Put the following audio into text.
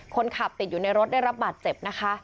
คนขับติดอยู่ในรถได้รับบาดเจ็บนะคะ